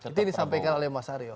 itu yang disampaikan oleh mas aryo